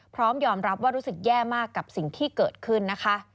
พร้อมยอมรับว่ารู้สึกแย่มากกับสิ่งที่เกิดขึ้นนะคะ